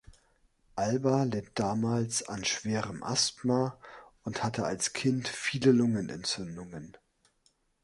Alba litt damals an schwerem Asthma und hatte als Kind viele Lungenentzündungen.